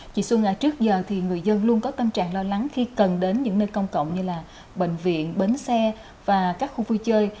chị xuân trước giờ thì người dân luôn có tâm trạng lo lắng khi cần đến những nơi công cộng như là bệnh viện bến xe và các khu vui chơi